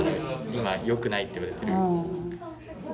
今よくないっていわれてる。